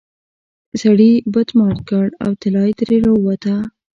سړي بت مات کړ او طلا ترې راووته.